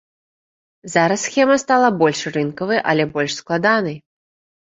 Зараз схема стала больш рынкавай, але больш складанай.